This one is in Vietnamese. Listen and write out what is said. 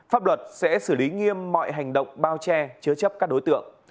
pháp luật sẽ xử lý nghiêm mọi hành động bao che chứa chấp các đối tượng